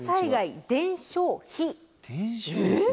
えっ！？